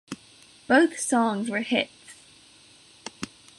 Both songs were hits.